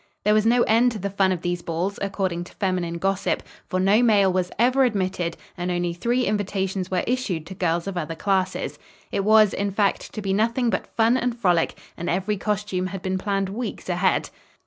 There was no end to the fun of these balls, according to feminine gossip, for no male was ever admitted and only three invitations were issued to girls of other classes. It was, in fact, to be nothing but fun and frolic, and every costume had been planned weeks ahead.